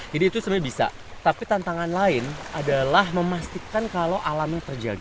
jadi itu sebenarnya bisa tapi tantangan lain adalah memastikan kalau alamnya terjaga